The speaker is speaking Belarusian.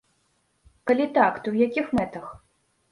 Калі так, то ў якіх мэтах?